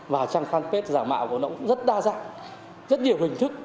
và trang fanpage giả mạo của nó cũng rất đa dạng rất nhiều hình thức